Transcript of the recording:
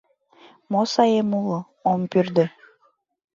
Мо саем уло — ом пӱрдӧ.